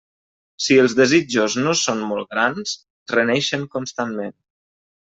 Si els desitjos no són molt grans, reneixen constantment.